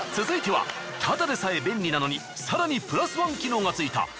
続いてはただでさえ便利なのに更にプラスワン機能がついた。